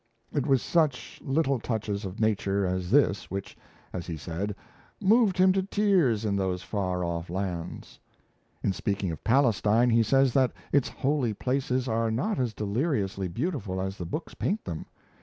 It was such little touches of nature as this which, as he said, moved him to tears in those far off lands. In speaking of Palestine, he says that its holy places are not as deliriously beautiful as the books paint them.